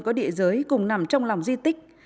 có địa giới cùng nằm trong lòng di tích